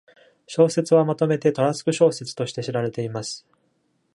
小説はまとめて Trask 小説として知られています。